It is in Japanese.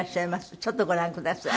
ちょっとご覧ください。